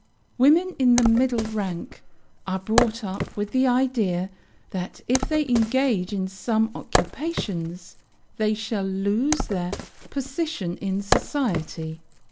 Women in the middle rank are brought up with the idea that if they engage in some occupations, they shall lose "their position in society."